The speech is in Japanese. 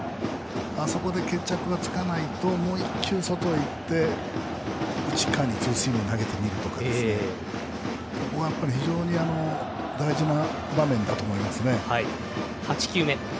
あそこで決着がつかないともう１球、外に行って内側にツーシームを投げてみるとか非常に大事な場面だと思います。